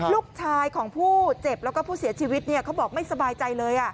ลูกชายของผู้เจ็บแล้วก็ผู้เสียชีวิตเขาบอกไม่สบายใจเลย